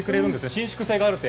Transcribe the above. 伸縮性があって。